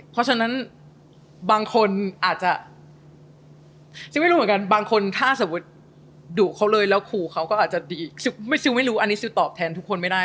เพราะฉะนั้นบางคนอาจจะซิลไม่รู้เหมือนกันบางคนถ้าสมมุติดุเขาเลยแล้วขู่เขาก็อาจจะดีไม่ซิลไม่รู้อันนี้ซิลตอบแทนทุกคนไม่ได้